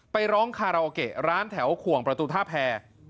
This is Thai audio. ไปร้องคาราโอเกะร้านแถวขวงประตูท่าแพร